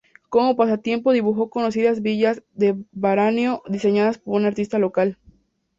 Como pasatiempo dibujó conocidas villas de veraneo diseñadas por un artista local.